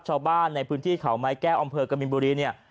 ชาวบ้านในพื้นที่เขาไม้แก้วอำเภอกบินบุรีเนี่ย